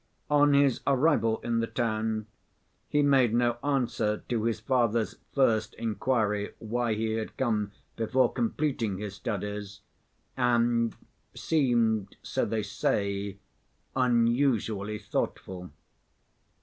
On his arrival in the town he made no answer to his father's first inquiry why he had come before completing his studies, and seemed, so they say, unusually thoughtful.